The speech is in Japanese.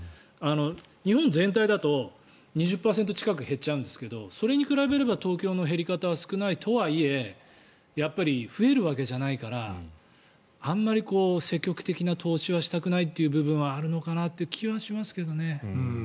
日本全体だと２０％近く減っちゃうんですけどそれに比べれば東京の減り方は少ないとはいえやっぱり増えるわけじゃないからあまり積極的な投資はしたくないっていう部分はあるのかなという気はしますけどね。